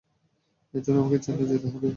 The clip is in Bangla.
এর জন্য আমাকে চেন্নাই যেতে হবে।